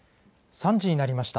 ３時になりました。